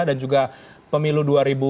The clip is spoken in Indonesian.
dan juga pemilu dua ribu dua puluh empat